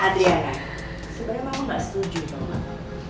adriana sebenernya mama gak setuju tau gak